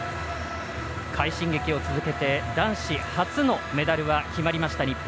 快進撃を続けて男子初のメダルは決まりました、日本。